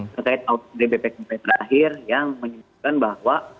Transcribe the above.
terkait audiens bp kepala pertahir yang menyatukan bahwa